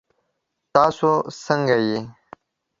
تاسو څنګه یئ؟